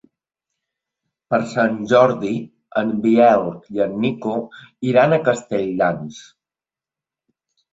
Per Sant Jordi en Biel i en Nico iran a Castelldans.